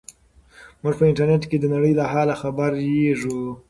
موږ په انټرنیټ کې د نړۍ له حاله خبریږو.